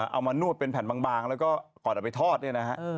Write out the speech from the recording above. เอามานวดเป็นแผ่นบางแล้วก็ก่อนเอาไปทอดเนี่ยนะฮะ